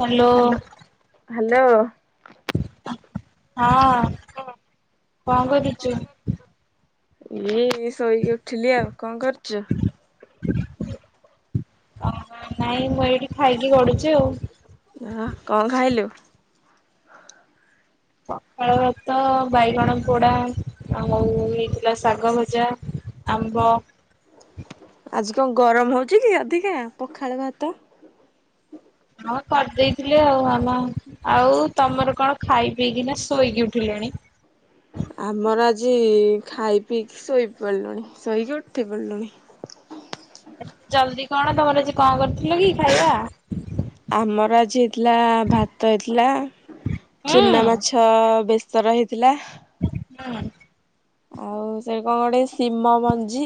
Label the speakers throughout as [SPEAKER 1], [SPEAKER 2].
[SPEAKER 1] Hello
[SPEAKER 2] hello hello.
[SPEAKER 1] ହଁ କଣ କରୁଚୁ?
[SPEAKER 2] ଇଏ ଶୋଇକି ଉଠିଲି ଆଉ କଣ କରୁଚୁ?
[SPEAKER 1] [unintelligible] ନାଇଁ ମୁଁ ଏଇଠି ଖାଇକି ଗଢୁଚି ଆଉ।
[SPEAKER 2] ଆଁ କଣ ଖାଇଲୁ?
[SPEAKER 1] ପଖାଳ ଭାତ, ବାଇଗଣ ପୋଡ଼ା ଆଉ ଓଉ ଉ ହେଇଥିଲା ଶାଗ ଭଜା। ଆମ୍ବ।
[SPEAKER 2] ଆଜି କଙ୍ଗ୍ ଗରମ୍ ହଉଚି କି ଅଧିକା ପଖାଳ ଭାତ?
[SPEAKER 1] ହଁ କରିଦେଇଥିଲେ ଆଉ ଆମ ଆଉ ତମର କଣ ଖାଇ ପିଇକି ନା ଶୋଇକି ଉଠିଲଣି?
[SPEAKER 2] ଆମର ଆଜି ଖାଇ ପିଇ ପିକ୍ ଶୋଇ ପରିଲୁଣି ଶୋଇକି ଉଠି ପରଲୁଣି।
[SPEAKER 1] ଏତେ ଜଲ୍ଦି କଣ ତମର ଆଜି କଣ କରିଥିଲ କି ଖାଇଆ?
[SPEAKER 2] ଆମର ଆଜି ହେଇଥିଲା ଭାତ ହେଇଥିଲା।
[SPEAKER 1] ହୁଁ
[SPEAKER 2] ଚୁନା ମାଛ ବେସର ହେଇଥିଲା।
[SPEAKER 1] [inaudible]
[SPEAKER 2] ଆଉ ସେ କଣ ଗୋଟେ ଶିମ ମଞ୍ଜି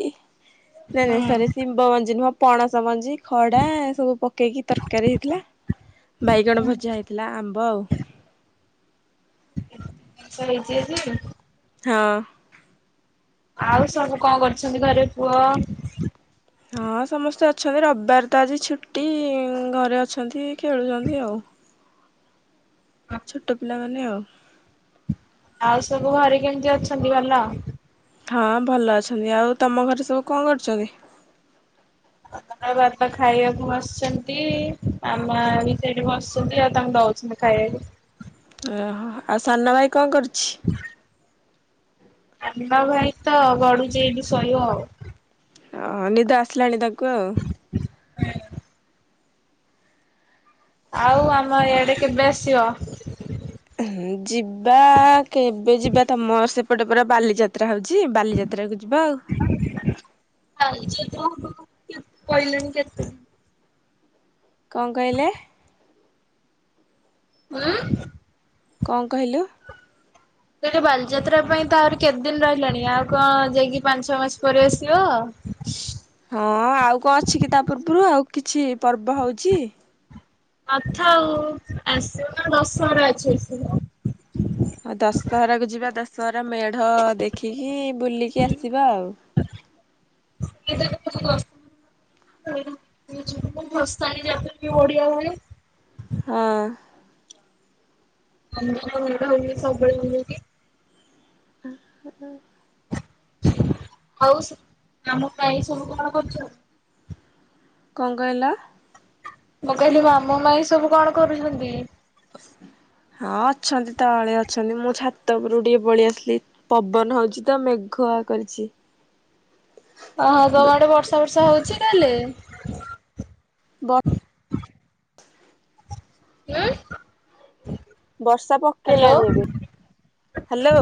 [SPEAKER 2] ନାଇଁ ନାଇଁ ସରି।
[SPEAKER 1] ଜିନିଷ
[SPEAKER 2] ହିମ୍ବ ମଞ୍ଜି ନୁହଁ ପଣସମଞ୍ଜି। ଖଡ଼ା ଏସବୁ ପକେଇକି ତର୍କାରୀ ହେଇଥିଲା। ବାଇଗଣ ଭଜା ହେଇଥିଲା ଆମ୍ବ ଆଉ।
[SPEAKER 1] [inaudible] ସୋଇଚ କି?
[SPEAKER 2] ହଁ।
[SPEAKER 1] ଆଉ ସବୁ ଙ୍କଅଁ କରୁଛନ୍ତି ଘରେ ପୁଅ?
[SPEAKER 2] ହଁ ସମସ୍ତେ ଅଛରି ରବବାର ତ ଆଜି ଛୁଟି ଘରେ ଅଛନ୍ତି ଖେଳୁଚନ୍ତି ଆଉ। ଛୋଟ ପିଲାମାନେ ଆଉ।
[SPEAKER 1] ଆଉ ସୁବୁ ଘରେ କେମିତି ଅଛନ୍ତି ଭଲ?
[SPEAKER 2] ହଁ ଭଲ ଅଛନ୍ତି। ଆଉ ତମ ଘରେ ସବୁ କଣ କରୁଚନ୍ତି?
[SPEAKER 1] [unintelligible] ଖାଇୟାକୁ ବସ୍ଛନ୍ତି ମାମା ବି ସେଇଟି ବସ୍ଚନ୍ତି ଆଉ ତାଙ୍କୁ ଦଉଚିଲି। ଖାୟାଲୁ।
[SPEAKER 2] ଏଁ ହ ହ ଆଉ ସନ ଭାଇ କଣ କରୁଛି?
[SPEAKER 1] [inaudible] ଆନ୍ଦ ଭାଇ ତ ଗଡ଼ୁଚି ଏଇଠି ଶୋଇବ ଆଉ।
[SPEAKER 2] ଅହଁ ନିଦ ଆସିଲାଣି ତାକୁ ଆଉ।
[SPEAKER 1] [inaudible] ଆଉ ଆମ ଇଆଡ଼େ କେବେ ଆସିବ?
[SPEAKER 2] ଉଁହୁଁ ଯିବା କେବେ ଯିବା ତମର୍ ସେପଟେ ପରା ବାଲିଯାତ୍ରା ହଉଚି ବାଲିଯାତ୍ ତ୍ରାକୁ ଯିବା ଆଉ।
[SPEAKER 1] [unintelligible]
[SPEAKER 2] କଣ କହିଲେ?
[SPEAKER 1] ମାଁ।
[SPEAKER 2] ଙ୍କ କହିଲୁ।
[SPEAKER 1] ତେଠି ବାଲିଯାତ୍ରା ପାଇଁ ତ ଆହୁରି କେଦ୍ ଦିନ୍ ରହିଲାଣି ଆଉ କଣ ଯାଇକି ପାଞ୍ଚ୍ ଛଅ ମାସ୍ ପରେ ଆସିବ।
[SPEAKER 2] ହଁ ଆଉ ଙ୍କ ଅଛି କି ତା ପୂର୍ବୁରୁ ଆଉ କିଛି ପର୍ବ ହଉଚି।
[SPEAKER 1] ଆଥାଉ ଆସିବ ନା ଦଶହରା ଅଛି ଆସିବ।
[SPEAKER 2] ହ ଦଶହରାକୁ ଯିବା ଦଶହରା ମେଢ଼ ଦେଖିକି ବୁଲିକି ଆସିବା ଆଉ।
[SPEAKER 1] [unintelligible] [unintelligible] ଭସାଣି ଜାଉଚନ୍ତି ଓଡ଼ିଆ ଘରେ।
[SPEAKER 2] ହଁ।
[SPEAKER 1] [unintelligible] ଆମ କଟା ହଉ ସବୁବେଳେ ହୁ କି
[SPEAKER 2] ଆଁ ହାଁ ହାଁ
[SPEAKER 1] ଆଉସୁ ଲାମ ପାଇଁ ସରୁ କଣ କରୁଛ।
[SPEAKER 2] କଣ କହିଲ?
[SPEAKER 1] ମୁଁ କହିଲି ମାମୁ ମାଇଁ ସବୁ କଣ କରୁଛନ୍ତି?
[SPEAKER 2] ହଁ ଅଛନ୍ତି ତଳେ ଅଛନ୍ତି ମୁଁ ଛାତ ଉପରୁ ଟିକେ ପଳେଇ ଆସିଲି। ପବନ ହଉଛି ତ ମେଘୁଆ କରିଛି।
[SPEAKER 1] ଓହୋ ତମ ଆଡେ ବର୍ଷା ଫର୍ଷା ହଉଛି ତା ହେଲେ।
[SPEAKER 2] ବଡ଼
[SPEAKER 1] [unintelligible]
[SPEAKER 2] ବର୍ଷା
[SPEAKER 1] ହ୍ୟାଲୋ
[SPEAKER 2] ପକେଇଲାଣି ଏବେ hello.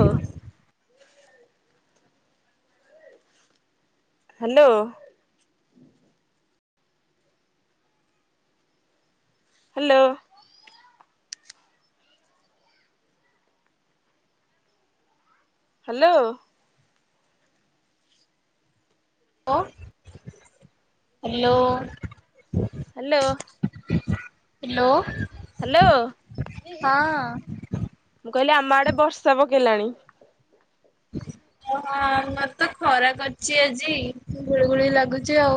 [SPEAKER 2] Hello. Hello. Hello.
[SPEAKER 1] Hello hello.
[SPEAKER 2] Hello.
[SPEAKER 1] Hello.
[SPEAKER 2] Hello ମୁଁ କହିଲି ଆମ ଆଡେ ବର୍ଷା ପକେଇଲାଣି।
[SPEAKER 1] ଯୋଉ ହଁ ଆମର ତ ଖରା କରିଚି ଆଜି ଗୁଳି ଗୁଳି ଲାଗୁଚି ଆଉ।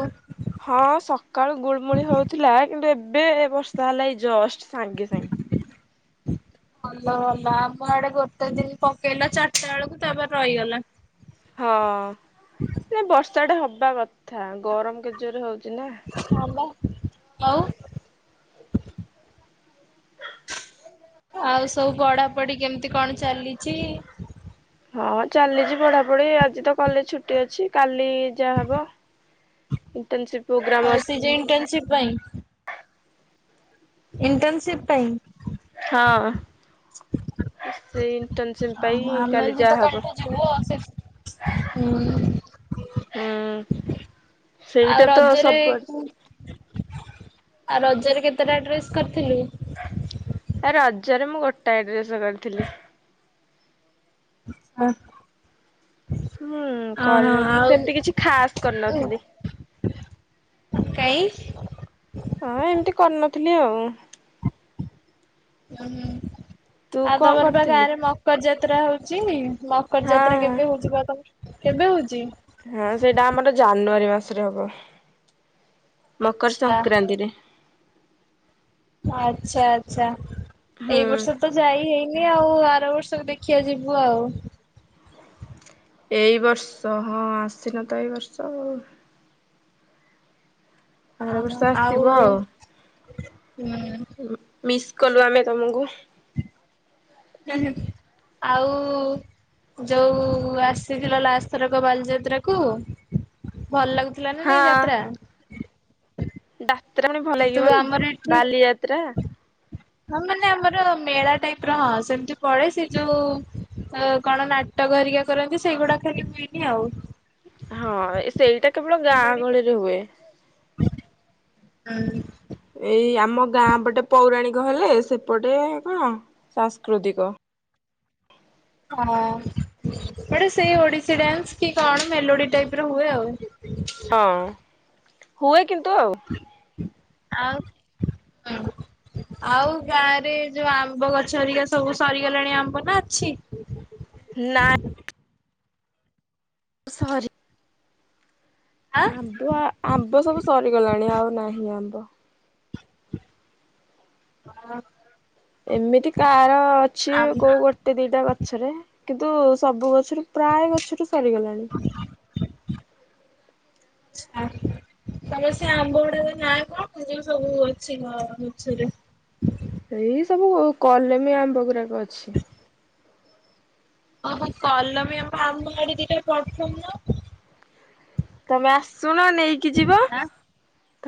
[SPEAKER 2] ହଁ ସକାଳୁ ଗୁଳୁମୁଳି ହଉଥିଲା କିନ୍ତୁ ଏବେ ବର୍ଷା ହେଲା ଏଇ ଜଷ୍ଟ ସାଙ୍ଗେ ସାଙ୍ଗେ।
[SPEAKER 1] [inaudible] ଭଲ ଭଲ ଆମ ଆଡେ ଗୋଟେ ଦିନ ପକେଇଲା ଚାରଟା ବେଳକୁ ତାପରେ ରଇଗଲା।
[SPEAKER 2] ହଁ ନାଇଁ ବର୍ଷା ଟା ହବା କଥା ଗରମ କେତେ ଜୋରେ ହଉଛି ନା।
[SPEAKER 1] ହବା ଆଉ। ଆଉ ସବୁ ପଢା ପଢି କେମିତି କଣ ଚାଲିଚି?
[SPEAKER 2] ହଁ ଚାଲିଛି ପଢାପଢି ଆଜି ତ କଲେଜ ଛୁଟି ଅଛି କାଲି ଯାହା ହବ ଇଣ୍ଟନସିପ ପ୍ରୋଗ୍ରାମ ଅଛି।
[SPEAKER 1] ସେଇ ଯୋଉ ଇଣ୍ଟର୍ନସିପ୍ ପାଇଁ। ଇଣ୍ଟର୍ନସିପ୍ ପାଇଁ।
[SPEAKER 2] ହଁ ସେଇ
[SPEAKER 1] ଆହଁ ଆମର ବି ତ କାଲିଠୁଁ ଯିବୁ ଆଉ ସେଠିକି ହୁଁ ହୁଁ
[SPEAKER 2] ସେଇଟା
[SPEAKER 1] ଆଉ
[SPEAKER 2] ତ
[SPEAKER 1] ରଜରେ
[SPEAKER 2] ସବୁଆଡେ
[SPEAKER 1] ଆଉ ରଜରେ କେତେଟା ଡ୍ରେସ୍ କରିଥିଲୁ।
[SPEAKER 2] ରଜରେ ମୁଁ ଗୋଟାଏ ଡ୍ରେସ୍ କରିଥିଲି।
[SPEAKER 1] ହ [unintelligible]
[SPEAKER 2] ହୁଁ କରିନଥିଲି ସେମତି କିଛି ଖାସ୍ କରିନଥିଲି।
[SPEAKER 1] କାଇଁ।
[SPEAKER 2] ହଁ ଏମତି କରିନଥିଲି ଆଉ।
[SPEAKER 1] ହୁଁ
[SPEAKER 2] ତୁ
[SPEAKER 1] ଆଉ
[SPEAKER 2] କଣ
[SPEAKER 1] ତମର ବା
[SPEAKER 2] କରିଥିଲୁ?
[SPEAKER 1] ଗାଁରେ ମକ ମକର ଯାତ୍ରା ହଉଛି ମକର
[SPEAKER 2] ହଁ
[SPEAKER 1] ଯାତ୍ରା
[SPEAKER 2] ହଁ
[SPEAKER 1] କେବେ ହଉଛି ବା ତମର କେବେ ହଉଛି।
[SPEAKER 2] ହଁ ସେଇଟା ଆମର ଜାନୁଆରୀ ମାସରେ ହବ ମକର
[SPEAKER 1] ଆଚ୍ଛା
[SPEAKER 2] ସଂକ୍ରାନ୍ତିରେ।
[SPEAKER 1] ଆଛା ଆଚ୍ଛା
[SPEAKER 2] ହୁଁ।
[SPEAKER 1] ଏଇ ବର୍ଷ ତ ଯାଇ ହେଇନି ଆଉ ଆର ବର୍ଷକୁ ଦେଖିବା ଯିବୁ ଆଉ।
[SPEAKER 2] ଏଇ ବର୍ଷ ହଁ ଆସିନ ତ ଏଇ ବର୍ଷ ଆଉ। ଆର ବର୍ଷ ଆସିବ
[SPEAKER 1] ଅହୋ ଆଉ ହୁଁ।
[SPEAKER 2] ମିସ୍ କଲୁ ଆମେ ତମକୁ।
[SPEAKER 1] ହୁଁ, ହୁଁ, ଆଉ। ଯୋଉ ଆସିଥିଲା ଲାଷ୍ଟଥରକ ବାଲିଯାତ୍ରା କୁ ଭଲ ଲାଗୁଥିଲା ନା ନାଇଁ ଯାତ୍ରା?
[SPEAKER 2] ଡାକ୍ତରାଣୀ ଭଲ
[SPEAKER 1] କିନ୍ତୁ
[SPEAKER 2] ଲାଗିବନି
[SPEAKER 1] ଆମର ଏଠି
[SPEAKER 2] ବାଲିଯାତ୍ରା
[SPEAKER 1] ହଁ ମାନେ ଆମର ମେଳା ଟାଇପ ର ହଁ ସେମିତି ପଳେ ସେ ଯୋଉ ଅ କଣ ନାଟକ ଘରିକା କରନ୍ତି ସେଇଗୁଡା ଖାଲି ହୁଏନି ଆଉ।
[SPEAKER 2] ହଁ ସେଇଟା କେବଳ ଗାଁ
[SPEAKER 1] ମେଲୋଡି
[SPEAKER 2] ଗହଳିରେ
[SPEAKER 1] ଫେଲୋଡି
[SPEAKER 2] ହୁଏ।
[SPEAKER 1] ଟିକେ ହୁଁ
[SPEAKER 2] ଏଇ ଆମ ଗାଁ ପଟେ ପୌରାଣିକ ହେଲେ ସେପଟେ କଣ ସାଂସ୍କୃତିକ।
[SPEAKER 1] ହଁ ଗୋଟେ ସେଇ ଓଡ଼ିଶୀ ଡ୍ୟାନ୍ସ କି କଣ ମେଲୋଡି ଟାଇପ ର ହୁଏ ଆଉ।
[SPEAKER 2] ହଉ ହୁଏ କିନ୍ତୁ ଆଉ।
[SPEAKER 1] ଆଉ ହୁଁ ଆଉ ଗାଁ ରେ ଯୋଉ ଆମ୍ବ ଗଛ ହରିକା ସବୁ ସରିଗଲାଣି ଆମ୍ବ ନା ଅଛି?
[SPEAKER 2] ନାଇଁ ସରି
[SPEAKER 1] ଆଁ
[SPEAKER 2] ଆମ୍ବ ଆମ୍ବ ସବୁ ସରିଗଲାଣି ଆଉ ନାହିଁ ଆମ୍ବ।
[SPEAKER 1] ହଁ
[SPEAKER 2] ଏମିତି କାର ଅଛି କୋଉ ଗୋଟେ
[SPEAKER 1] ଆଚ୍ଛା
[SPEAKER 2] ଗୋଟେ ଦିଟା ଗଛରେ କିନ୍ତୁ ସବୁ ଗଛରୁ ପ୍ରାୟ ଗଛରୁ ସରିଗଲାଣି।
[SPEAKER 1] ଆ ତମର ସେ ଆମ୍ବ ଗୁଡାକ ନାଏଁ କଣ ଯେ ସବୁ ଅଛି ମା ଗଛରେ?
[SPEAKER 2] ସେଇ ସବୁ କଲେମୀ ଆମ୍ବ ଗୁରାକ ଅଛି।
[SPEAKER 1] ଅହ କଲମୀ ଆମ ଆମ ଆଡି ଦିଟା ପଠୋଉନ?
[SPEAKER 2] ତମେ ଆସୁନ ନେଇକି ଯିବ
[SPEAKER 1] ଆଁ।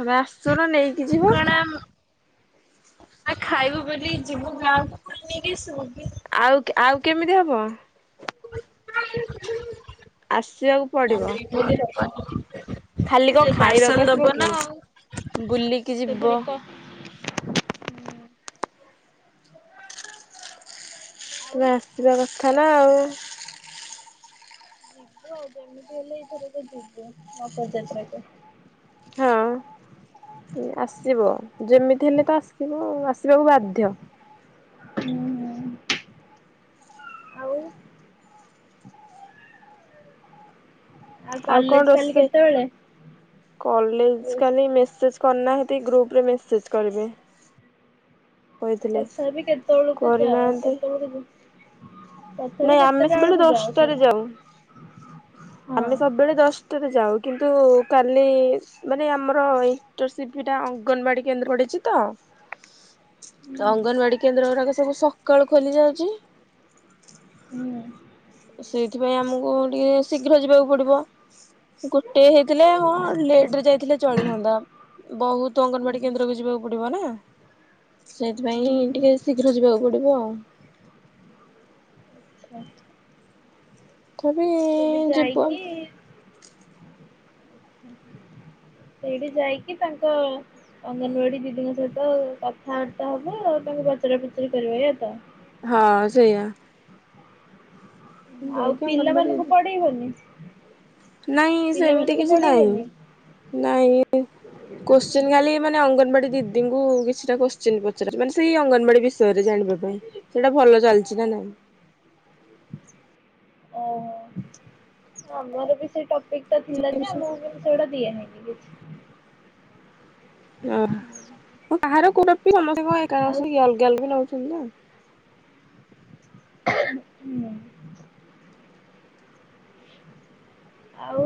[SPEAKER 2] ତମେ ଆସୁନ ନେଇକି ଯିବ।
[SPEAKER 1] କଣ ଆ ଖାଇବୁ ବୋଲି ଯିବୁ ଗାଁକୁ ନେଇକି ଆସିବୁକି?
[SPEAKER 2] ଆଉ ଆଉ କେମିତି ହବ।
[SPEAKER 1] [inaudible]
[SPEAKER 2] ଆସିବାକୁ ପଡିବ?
[SPEAKER 1] ବରପ
[SPEAKER 2] ଖାଲି
[SPEAKER 1] [unintelligible]
[SPEAKER 2] କଣ
[SPEAKER 1] ସେ
[SPEAKER 2] ଖାଇବାକୁ
[SPEAKER 1] ପାର୍ସଲ
[SPEAKER 2] ଆସିବ
[SPEAKER 1] ଦବ
[SPEAKER 2] କି
[SPEAKER 1] ନା ଆଉ
[SPEAKER 2] ବୁଲିକି
[SPEAKER 1] ସେ
[SPEAKER 2] ଯିବ।
[SPEAKER 1] ପୁଣି କ ଆଉ
[SPEAKER 2] ତମେ ଆସିବା କଥା ନା ଆଉ।
[SPEAKER 1] ଯିବୁ ଆଉ ଯେମିତି ହେଲେ ଏଇଥର କ ଯିବୁ ଅପଯାତ୍ରାକୁ।
[SPEAKER 2] ହଁ ଆସିବ ଯେମିତି ହେଲେ ତ ଆସିବ ଆସିବାକୁ ବାଧ୍ୟ।
[SPEAKER 1] ହୁଁ ହୁଁ ଆଉ
[SPEAKER 2] ଆଉ କଣ
[SPEAKER 1] କଲେଜ କାଲି
[SPEAKER 2] ରୋଷେ
[SPEAKER 1] କେତେବେଳେ?
[SPEAKER 2] କଲେଜ କାଲି ମେସେଜ୍ କରିନାହାନ୍ତି ଗ୍ରୁପରେ ମେସେଜ୍ କରିବେ। କହିଥିଲେ।
[SPEAKER 1] ତଥାପି କେତେବେଳକୁ ଯାଅ
[SPEAKER 2] କରିନାହାନ୍ତି
[SPEAKER 1] କେତେବେଳକୁ ଯୁ
[SPEAKER 2] ନାଇଁ ଆମେ କେବେଳେ ଦଶଟାରେ
[SPEAKER 1] ସବୁ
[SPEAKER 2] ଯାଉ ଆମେ
[SPEAKER 1] ହଁ
[SPEAKER 2] ସବୁବେଳେ ଦଶ ଟେ ରେ ଯାଉ କିନ୍ତୁ କାଲି ମାନେ ଆମର ଏଇ ଇଣ୍ଟରସିଟି ଟା ଅଙ୍ଗନବାଡି କେନ୍ଦ୍ର ଆଡେ ଯିବ।
[SPEAKER 1] [inaudible]
[SPEAKER 2] ଅଙ୍ଗନବାଡି କେନ୍ଦ୍ର ଗୁଡାକ ସବୁ ସକାଳୁ ଖୋଲି ଯାଉଛି।
[SPEAKER 1] ହୁଁ
[SPEAKER 2] ସେଇଥିପାଇଁ ଆମକୁ ଟିକେ ଶୀଘ୍ର ଯିବାକୁ ପଡିବ। ଗୋଟେ ହେଇଥିଲେ ହଁ
[SPEAKER 1] ଆଚ୍ଛା
[SPEAKER 2] ଲେଟ ରେ ଯାଇଥିଲେ ଚଳିଥାନ୍ତା ବହୁତ
[SPEAKER 1] ହୁଁ।
[SPEAKER 2] ଅଙ୍ଗନବାଡି କେନ୍ଦ୍ରକୁ ଯିବାକୁ ପଡିବ ନା। ସେଥିପାଇଁ ଟିକେ
[SPEAKER 1] ଆଚ୍ଛା
[SPEAKER 2] ଶୀଘ୍ର ଯିବାକୁ ପଡିବ ଆଉ।
[SPEAKER 1] ଆ୍ଛା [inaudible]
[SPEAKER 2] ତଥାପି
[SPEAKER 1] ସେଇଠି
[SPEAKER 2] ଯିବ।
[SPEAKER 1] ଯାଇକି ସେଇଠି ଯାଇକି ତାଙ୍କ ଅଙ୍ଗନବାଡି ଦିଦିଙ୍କ ସହିତ କଥାବାର୍ତ୍ତା ହବ ଆଉ ତାଙ୍କୁ ପଚରା ପୁଚୁରି କରିବ ଏଇଆ ତ?
[SPEAKER 2] ହଁ ସେଇଆ। ଯାଇକି ଅଙ୍ଗନବାଡି ଦିଦି
[SPEAKER 1] ବୋଲିନି [inaudible]
[SPEAKER 2] ନାଇଁ ସେମିତି କିଛି ନାହିଁ
[SPEAKER 1] ପଢେଇବନି
[SPEAKER 2] ନାଇଁ କୋଶ୍ଚିନ୍ ଖାଲି ମାନେ ଅଙ୍ଗନବାଡି ଦିଦିଙ୍କୁ କିଛିଟା କୋଶ୍ଚିିନ ପଚାରିବି ମାନେ ସେଇ ଅଙ୍ଗନବାଡି ବି ବିଷୟରେ ଜାଣିବା ପାଇଁ ସେଇଟା ଭଲ ଚାଲିଛି ନା ନାଇଁ?
[SPEAKER 1] ଓ ହ ଆମର ବି ସେଇଟା ଏଟା ଥିଲା ଯେ ଆମକୁ କିନ୍ତୁ ସେଡା ଦିଆହେଇନି କିଛି।
[SPEAKER 2] ଓହ କାହାର କୋଉ ବିି [inaudible] ସମସ୍ତେ କଣ [inaudible]
[SPEAKER 1] ଆଉ
[SPEAKER 2] ଅଲଗା ଅଲଗା ରହୁସନ୍ତି ନାଁ ଆଉ।
[SPEAKER 1] ହୁଁ [inaudible] ଆଉ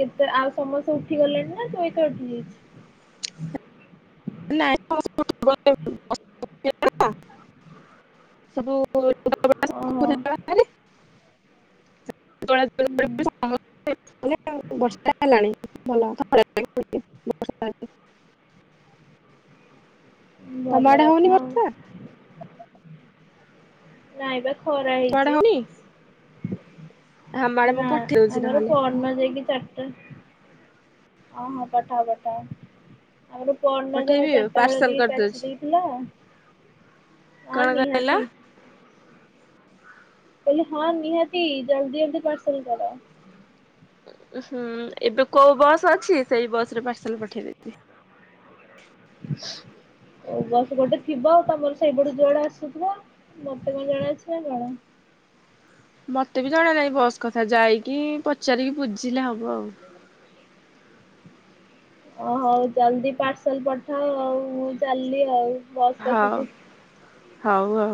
[SPEAKER 1] କେତେ ଆଉ ସମସ୍ତେ ଉଠି ଗଲେଣି ନା ତୁ ଏକା ଉଠି ଯାଇଚୁ?
[SPEAKER 2] ନାଇଁ [inaudible] ସବୁ [inaudible]
[SPEAKER 1] ଓହୋ ହୁଁ
[SPEAKER 2] ବର୍ଷାହେଲାଣି ଭଲ [inaudible] ତମ
[SPEAKER 1] ଭଲ
[SPEAKER 2] ଆଡ଼େ
[SPEAKER 1] କଥା
[SPEAKER 2] ହଉନି
[SPEAKER 1] ଆଉ
[SPEAKER 2] ବର୍ଷା?
[SPEAKER 1] ନାଇଁ ବା ଖରା
[SPEAKER 2] ତମ ଆଡେ
[SPEAKER 1] ହେଇଛି।
[SPEAKER 2] ହଉନି? ଆମ ଆଡେ ମୁଁ
[SPEAKER 1] ନା
[SPEAKER 2] ପଠେଇ ଦଉଛି
[SPEAKER 1] ଆମର
[SPEAKER 2] ନହେଲେ
[SPEAKER 1] ପରୁହାଁ ଯାଇକି ଚା ହଁ ହଁ ପଠାଅ ପଠାଅ। ଆମର ପଅରଦିନ ଯାହା
[SPEAKER 2] ପଠେଇବି
[SPEAKER 1] ଚାରିଟା ବେଳେ
[SPEAKER 2] ପାର୍ସଲ
[SPEAKER 1] ଟିକେ କାଚି
[SPEAKER 2] କରିଦଉଛି।
[SPEAKER 1] ଦେଇଥିଲା। ହଁ
[SPEAKER 2] କଣ କହିଲ
[SPEAKER 1] ନିହାତି। କହଲି ହଁ ନିହାତି ଜଲଦି ଜଲଦି ପାର୍ସଲ କର।
[SPEAKER 2] ହୁଁ ଏବେ କୋଉ ବସ୍ ଅଛି ସେଇ ବସରେ ପାର୍ସଲ ପଠେଇଦେଇଥିବି।
[SPEAKER 1] ଓ ବସ ଜଉଟା ଥିବ ଆଉ ତମର ସେଇପଟୁ ଯଉଡ଼ା ଆସୁଥିବ ମତେ କଣ ଜଣା ଅଛି ନା କଣ?
[SPEAKER 2] ମତେ ବି ଜଣା ନାହିଁ ବସ୍ କଥା ଯାଇକି ପଚାରିକି ବୁଝିଲେ ହବ ଆଉ।
[SPEAKER 1] ଓ ହଉ ଜଲ୍ଦି ପାର୍ସଲ ପଠାଅ ଆଉ ମୁଁ ଚାଲଲି ଆଉ। ବସ୍
[SPEAKER 2] ହଉ
[SPEAKER 1] ପାଖକୁ।
[SPEAKER 2] ହଉ ଆଉ।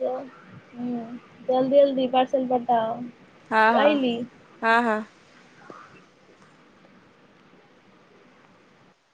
[SPEAKER 1] ହୁଁ ଜଲଦି ଜଲଦି ପାର୍ସଲ ପଟାଅ।
[SPEAKER 2] ହଁ ହଁ ହଁ ହଁ।